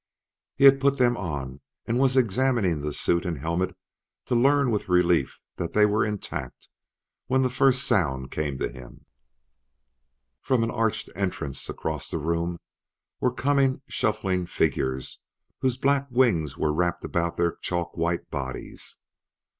He had put them on and was examining the suit and helmet to learn with relief that they were intact when the first sound came to him. From an arched entrance across the room were coming shuffling figures whose black wings were wrapped about their chalk white bodies.